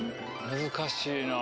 難しいな。